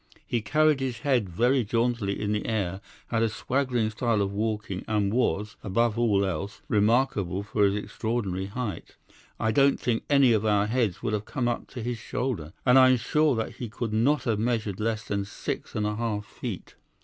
He carried his head very jauntily in the air, had a swaggering style of walking, and was, above all else, remarkable for his extraordinary height. I don't think any of our heads would have come up to his shoulder, and I am sure that he could not have measured less than six and a half feet.